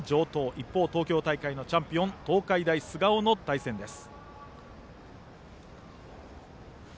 一方、東京大会のチャンピオン東海大菅生の対戦です。